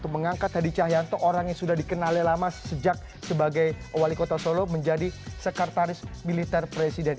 mengangkat hadi cahyanto orang yang sudah dikenalnya lama sejak sebagai wali kota solo menjadi sekretaris militer presiden